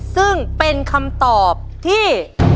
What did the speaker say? ซึ่งเป็นคำตอบที่